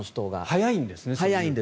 早いんです。